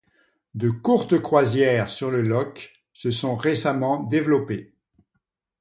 De courtes croisières sur le loch se sont récemment développées.